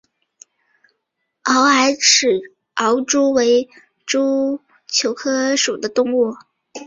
螯埃齿螯蛛为球蛛科齿螯蛛属的动物。